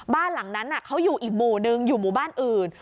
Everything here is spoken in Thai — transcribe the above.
บ้านหลังนั้นเขาอยู่อีกหมู่นึงอยู่หมู่บ้านอื่น